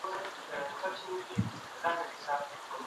تاسي د کامیابۍ دپاره تر پایه پوري پر خپله خبره ودريږئ.